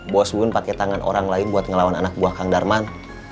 bos bun pake tangan orang lain buat ngelawan anak buah kang darman